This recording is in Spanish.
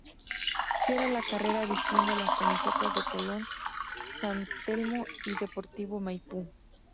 Cierra la carrera vistiendo las camisetas de Colón, San Telmo y Deportivo Maipú.